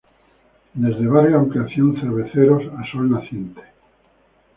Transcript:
Desde barrio Ampliación Cerveceros a Sol Naciente.